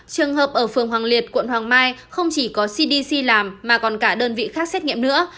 trường hợp ở phường hoàng liệt quận hoàng mai không chỉ có cdc làm mà còn cả đơn vị khác xét nghiệm nữa